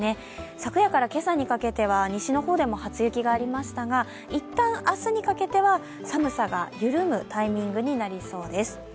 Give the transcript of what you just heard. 昨夜から今朝にかけては西の方でも初雪がありましたがいったん、明日にかけては寒さが緩むタイミングになりそうです。